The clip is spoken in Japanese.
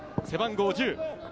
背番号１０。